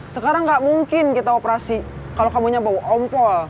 sekarang gak mungkin kita operasi kalau kamu nya bau ompel